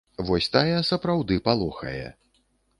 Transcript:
Вось тая сапраўды палохае.